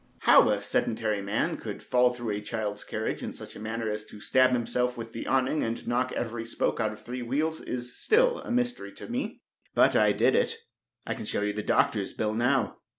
How a sedentary man could fall through a child's carriage in such a manner as to stab himself with the awning and knock every spoke out of three wheels, is still a mystery to me, but I did it. I can show you the doctor's bill now.